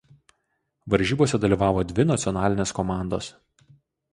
Varžybose dalyvavo dvi nacionalinės komandos.